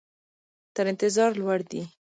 تر انتظار لوړ دي.